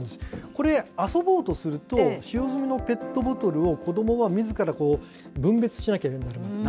これ、遊ぼうとすると、使用済みのペットボトルを子どもがみずから分別しなければならない。